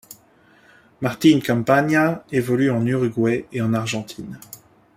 Martín Campaña évolue en Uruguay et en Argentine.